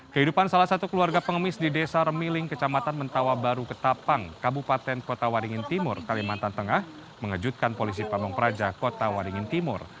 kehidupan salah satu keluarga pengemis di desa remiling kecamatan mentawa baru ketapang kabupaten kota waringin timur kalimantan tengah mengejutkan polisi pamung praja kota waringin timur